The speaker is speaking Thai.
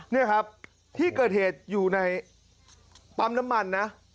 นี่ครับที่เกิดเหตุอยู่ในปั๊มน้ำมันนะ